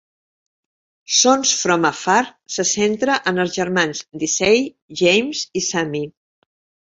"Sons from Afar" se centra en els germans Dicey, James i Sammy.